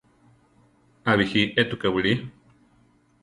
A bíji étuka wili.